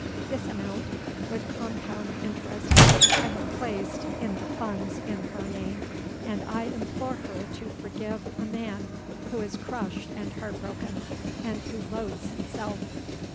This amount, with compound interest, I have placed in the funds in her name; and I implore her to forgive a man who is crushed and heart broken, and who loathes himself!